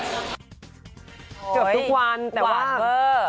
เกือบทุกวันแต่ว่า